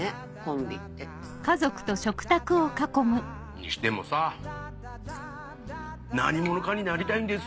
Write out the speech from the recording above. にしてもさぁ「何者かになりたいんです！